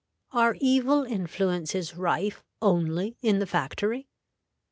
Are evil influences rife only in the factory?